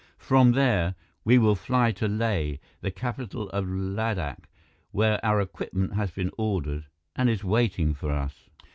From there, we will fly to Leh, the capital of Ladakh, where our equipment has been ordered and is waiting for us."